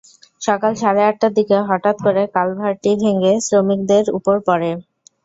সকাল সাড়ে আটটার দিকে হঠাত্ করে কালভার্টটি ভেঙে শ্রমিকদের ওপর পড়ে।